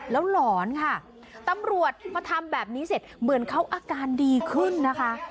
แล้วหลอนค่ะตำรวจพอทำแบบนี้เสร็จเหมือนเขาอาการดีขึ้นนะคะ